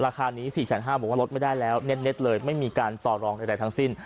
ราคานี้๔๕๐๐บอกว่าลดไม่ได้แล้วเน็ตเลยไม่มีการต่อรองใดทั้งสิ้น